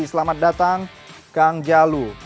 selamat datang kang jalu